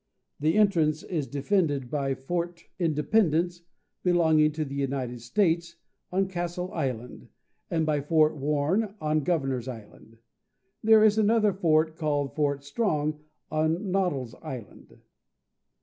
The entrance is defended by Fort Independence, belonging to the United States, on Castle Island, and by Fort Warren, on Governor's Island. There is another fort, called Fort Strong, on Noddle's Island.